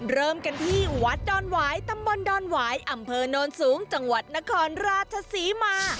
เริ่มกันที่วัดดอนหวายตำบลดอนหวายอำเภอโนนสูงจังหวัดนครราชศรีมา